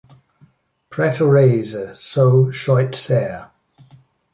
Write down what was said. Pretorese So 'schoit sair.